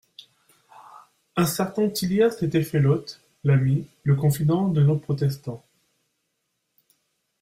Un certain Tillières s'était fait l'hôte, l'ami, le confident de nos protestants.